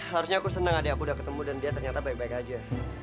harusnya aku senang adik aku udah ketemu dan dia ternyata baik baik aja